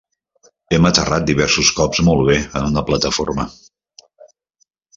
Hem aterrat diversos cops molt bé en una plataforma.